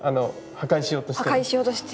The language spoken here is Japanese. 破壊しようとしてる。